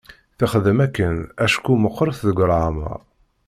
Texdem akken acku meqqret deg leɛmer.